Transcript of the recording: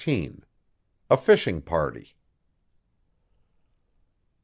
A FISHING PARTY.